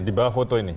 di bawah foto ini